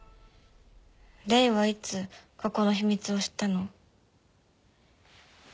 レイはいつここの秘密を知ったの？